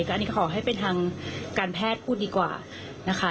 แต่อันนี้ขอให้เป็นทางการแพทย์พูดดีกว่านะคะ